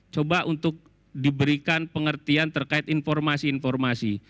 coba untuk diberikan pengertian terkait informasi informasi